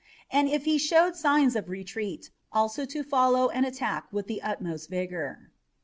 And if he showed signs of retreat, also to follow and attack with the utmost vigor.